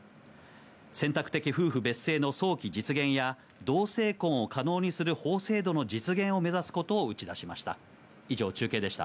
選択的夫婦別姓の早期実現や、同性婚を可能にする法制度の実現を目指すことを打ち出しました。